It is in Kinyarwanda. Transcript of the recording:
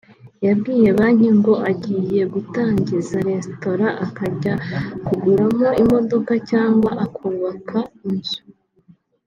yabwira banki ngo agiye gutangiza restaurant akajya kuguramo imodoka cyangwa kubaka inzu